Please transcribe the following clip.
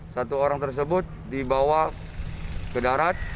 satu orang tersebut dibawa ke darat